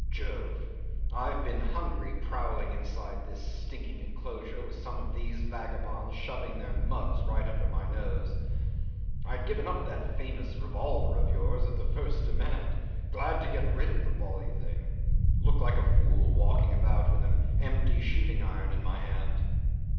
Jove! I've been hungry prowling inside this stinking enclosure with some of these vagabonds shoving their mugs right under my nose. I had given up that famous revolver of yours at the first demand. Glad to get rid of the bally thing. Look like a fool walking about with an empty shooting iron in my hand."